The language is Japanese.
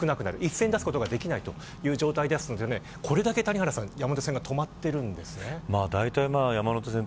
一斉に出すことができない状態なのでこれだけ山手線が止まっているんですね。